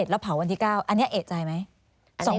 แล้วเผาวันที่๙อันนี้เอกใจไหม